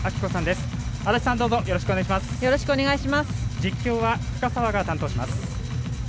実況は深澤が担当します。